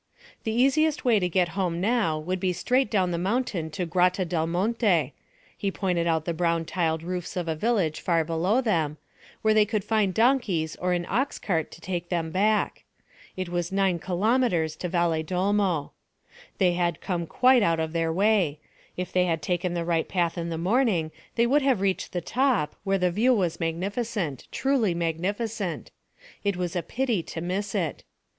The easiest way to get home now would be straight down the mountain to Grotta del Monte he pointed out the brown tiled roofs of a village far below them there they could find donkeys or an ox cart to take them back. It was nine kilometres to Valedolmo. They had come quite out of their way; if they had taken the right path in the morning they would have reached the top, where the view was magnificent truly magnificent. It was a pity to miss it.